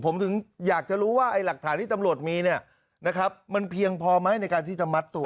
ผมถึงอยากจะรู้ว่าอัยหลักฐานที่ตำรวจมีมันเพียงพอไหมในการที่จะมัดตัว